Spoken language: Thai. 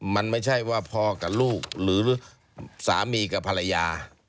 มันไม่ใช่ว่าพ่อกับลูกหรือสามีกับภรรยา